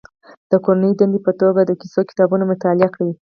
د کورنۍ دندې په توګه د کیسو کتابونه مطالعه کړي.